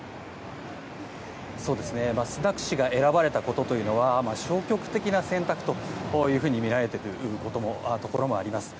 スナク氏が選ばれたことというのは消極的な選択とみられているところもあります。